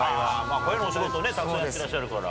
声のお仕事をたくさんやってらっしゃるから。